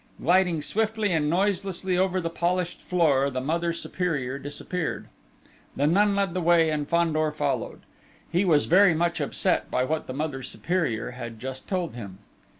Gliding swiftly and noiselessly over the polished floor, the Mother Superior disappeared. The nun led the way and Fandor followed: he was very much upset by what the Mother Superior had just told him.